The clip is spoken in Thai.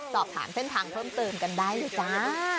สอบถามเส้นทางเพิ่มเติมกันได้เลยจ้า